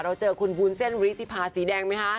เราเจอคนวุ้นเส้นวิธีภาไปสีแดงไหมคะ